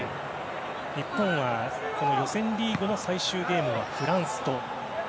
日本は、予選リーグの最終ゲームはフランスと。